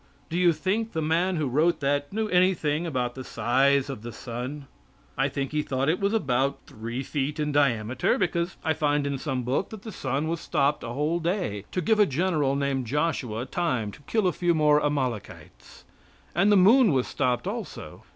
Do you think the man who wrote that knew anything about the size of the sun? I think he thought it was about three feet in diameter, because I find in some book that the sun was stopped a whole day, to give a general named Joshua time to kill a few more Amalekites; and the moon was stopped also.